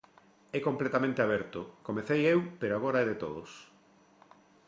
É completamente aberto, comecei eu pero agora é de todos.